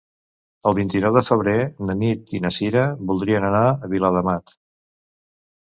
El vint-i-nou de febrer na Nit i na Sira voldrien anar a Viladamat.